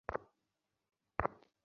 ক্রমে আপিস বন্ধ হইবার সময় আসিল।